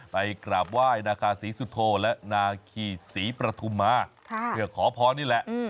ไปกราบไหว้นาคาศรีสุโธและนาคีศรีประทุมมาเพื่อขอพรนี่แหละ